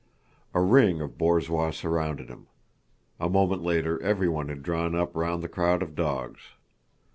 A ring of borzois surrounded him. A moment later everyone had drawn up round the crowd of dogs.